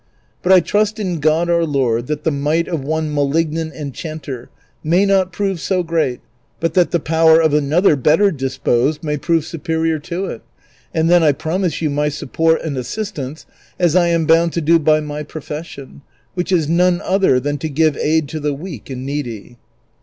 But I trust in God our Lord that the might of one malignant enchanter may not prove so great but that the power of another better disposed may prove superior to it, and then I promise you my support and assistance, as I am bound to do by my profession, which is none other than to give aid to the weak and needy."